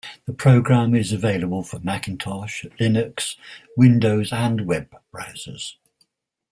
The program is available for Macintosh, Linux, Windows, and web browsers.